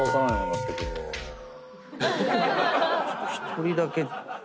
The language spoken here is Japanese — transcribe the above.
ちょっと１人だけ。